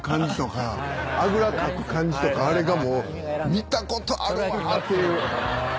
かく感じとかあれがもう見たことあるわっていう。